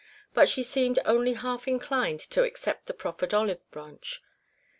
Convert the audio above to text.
But she seemed only half inclined to accept the proffered olive branch.